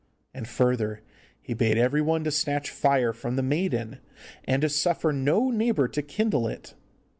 And further, he bade every one to snatch fire from the maiden, and to suffer no neighbour to kindle it.